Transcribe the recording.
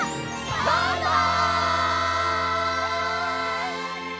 バイバイ！